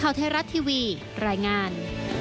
ข่าวเทราชทีวีรายงาน